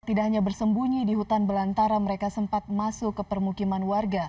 tidak hanya bersembunyi di hutan belantara mereka sempat masuk ke permukiman warga